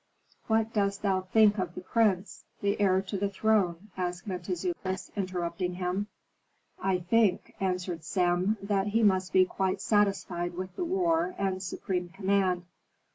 "What dost thou think of the prince, the heir to the throne?" asked Mentezufis, interrupting him. "I think," answered Sem, "that he must be quite satisfied with the war and supreme command.